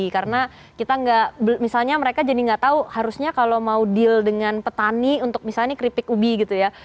karena kita gak misalnya mereka jadi gak tahu harusnya kalau mau deal dengan petani untuk misalnya keripik ubi gitu ya